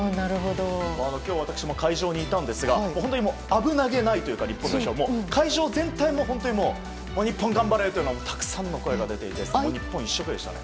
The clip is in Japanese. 今日私も会場にいたんですが本当に日本代表は危なげないというか会場全体も日本頑張れというたくさんの声が出ていて日本一色でしたね。